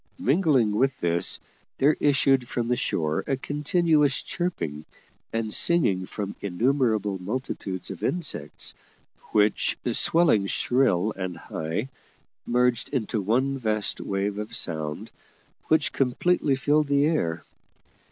Mingling with this, there issued from the shore a continuous chirping and singing from innumerable multitudes of insects, which, swelling shrill and high, merged into one vast wave of sound, which completely filled the air.